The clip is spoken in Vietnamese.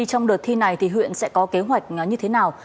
trong đợt thi này thì huyện sẽ có kế hoạch như thế nào